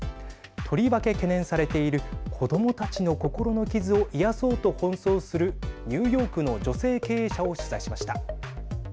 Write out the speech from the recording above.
とりわけ懸念されている子どもたちの心の傷を癒そうと奔走するニューヨークの女性経営者を取材しました。